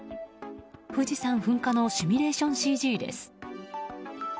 富士山噴火のシミュレーションＣＧです。